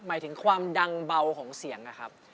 หมายถึงความดังเบาของเสียงนะครับ